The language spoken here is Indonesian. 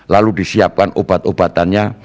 lalu disiapkan obat obatannya